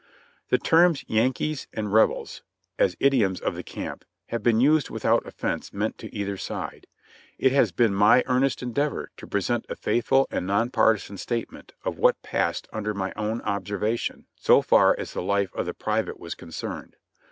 The terms "Yankees" and "Rebels," as idioms of the camp, have been used without offense meant to either side. It has been my earnest endeavor to present a faithful and non partisan statement of what passed under my own observation, so far as the life of the private was concerned.